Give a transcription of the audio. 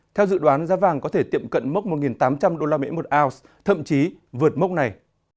theo dự đoán giá vàng có thể tiệm cận mốc một tám trăm linh đô la mỹ một ounce thậm chí vượt mốc này